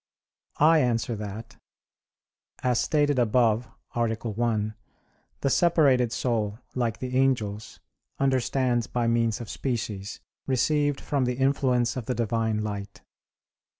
I answer that, As stated above (A. 1), the separated soul, like the angels, understands by means of species, received from the influence of the Divine light.